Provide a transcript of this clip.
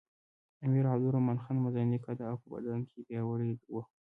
امیر عبدالرحمن خان منځنی قده او په بدن کې پیاوړی وو.